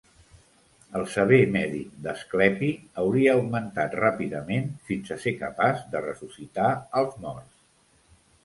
El saber mèdic d'Asclepi hauria augmentat ràpidament fins a ser capaç de ressuscitar als morts.